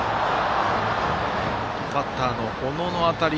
バッターの小野の当たり。